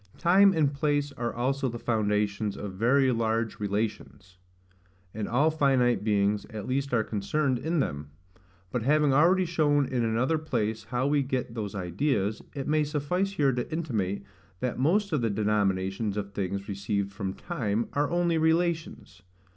Time and place are also the foundations of very large relations; and all finite beings at least are concerned in them. But having already shown in another place how we get those ideas, it may suffice here to intimate, that most of the denominations of things received from TIME are only relations.